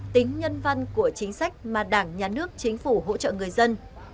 tính nhân văn của chính sách mà đảng nhà nước chính phủ hỗ trợ người dân